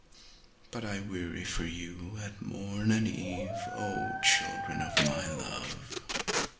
But I weary for you at morn and eve, O, children of my love.